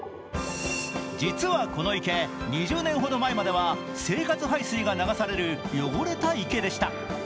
実はこの池、２０年ほど前までは生活排水が流される汚れた池でした。